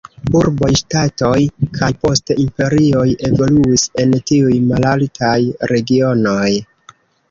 Urboj, ŝtatoj kaj poste imperioj evoluis en tiuj malaltaj regionoj.